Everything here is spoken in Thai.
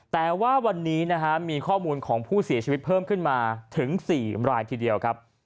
แต่ว่าวันนี้นะฮะมีข้อมูลของผู้เสียชีวิตเพิ่มขึ้นมาถึง๔รายทีเดียวครับ